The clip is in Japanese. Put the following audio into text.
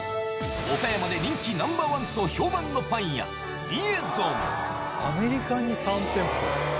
岡山で人気ナンバー１と評判のパアメリカに３店舗。